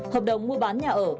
hợp đồng mua bán nhà ở